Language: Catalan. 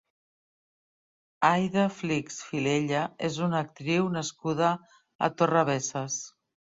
Aida Flix Filella és una actriu nascuda a Torrebesses.